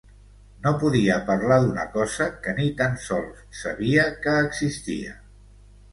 No podia parlar d'una cosa que ni tan sols sabia que existia.